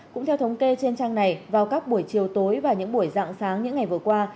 cũng theo thống kê trên trang này vào các buổi chiều tối và những buổi dạng sáng những ngày vừa qua